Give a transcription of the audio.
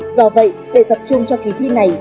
do vậy để tập trung cho kỳ thi này